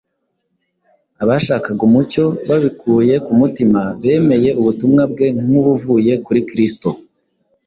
abashakaga umucyo babikuye ku mutima bemeye ubutumwa bwe nk’ubuvuye kuri Kristo.